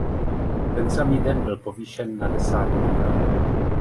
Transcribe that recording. Ten samý den byl povýšen na desátníka.